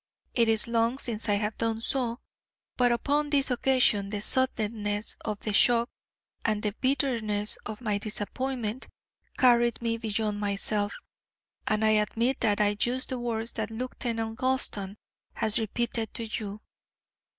It is long since I have done so, but upon this occasion the suddenness of the shock, and the bitterness of my disappointment, carried me beyond myself, and I admit that I used the words that Lieutenant Gulston has repeated to you.